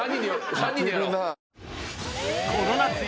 ３人でやろう。